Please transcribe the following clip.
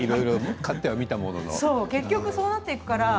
結局そうなっていくから。